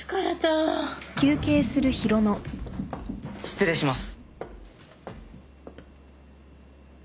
・失礼します。